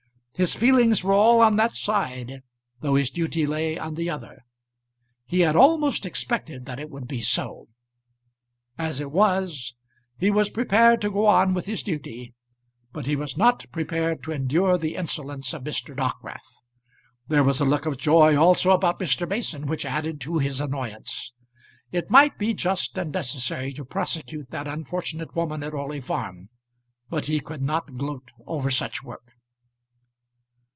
His feelings were all on that side, though his duty lay on the other. He had almost expected that it would be so. As it was, he was prepared to go on with his duty, but he was not prepared to endure the insolence of Mr. Dockwrath. There was a look of joy also about Mr. Mason which added to his annoyance. It might be just and necessary to prosecute that unfortunate woman at Orley Farm, but he could not gloat over such work.